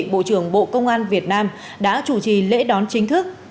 bộ trưởng bộ công an việt nam đã chủ trì lễ đón chính thức